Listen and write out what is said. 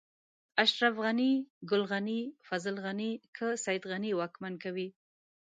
اشرف غني، ګل غني، فضل غني، که سيد غني واکمن کوي.